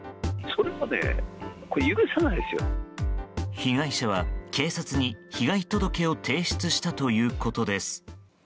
被害者は警察に被害届を提出したということです。